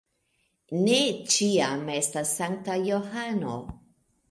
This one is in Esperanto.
Ne ĉiam estas sankta Johano.